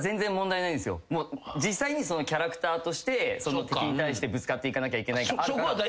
実際にキャラクターとして敵に対してぶつかっていかなきゃいけない。